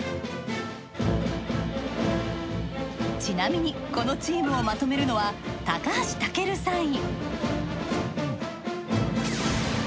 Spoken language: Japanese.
ちなみにこのチームをまとめるのは高橋武尊３尉。